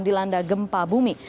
dilanda gempa bumi